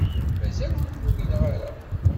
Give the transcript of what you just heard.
Mazal ur umineɣ ara.